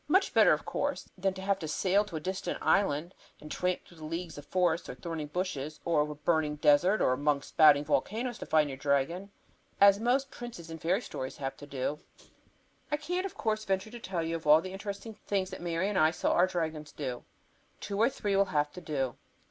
Much better, of course, than to have to sail to a distant island and tramp through leagues of forest or thorny bushes or over burning desert or among spouting volcanoes to find your dragon, as most princes in fairy stories have to do. I can't, of course, venture to tell you of all the interesting things that Mary and I saw our dragons do. Two or three will have to do.